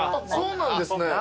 そうなんですね。